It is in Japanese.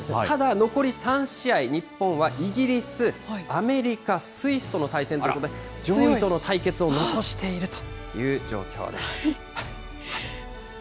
ただ残り３試合、日本はイギリス、アメリカ、スイスとの対戦ということで、上位との対決を残しているという状況です。